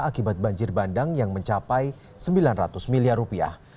akibat banjir bandang yang mencapai sembilan ratus miliar rupiah